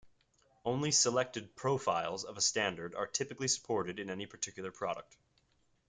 Only selected "profiles" of a standard are typically supported in any particular product.